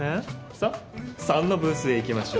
さあ３のブースへ行きましょう。